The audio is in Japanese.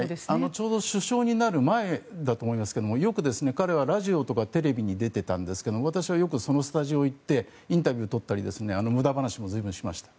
ちょうど首相になる前だと思いますけどよく彼はラジオとかテレビに出てたんですけど私はよくそのスタジオに行ってインタビュー撮ったり無駄話も随分しました。